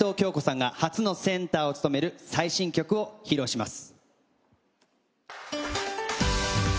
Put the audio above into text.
齊藤京子さんが初のセンターを務める最新曲を披露します。